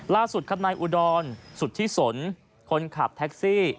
ล่าสุดครับนายอุดรสุธิสนคนขับแท็กซี่